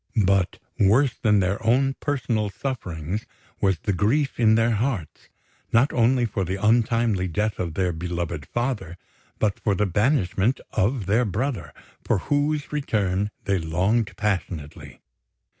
But worse than their own personal sufferings was the grief in their hearts, not only for the untimely death of their beloved father, but for the banishment of their brother, for whose return they longed passionately.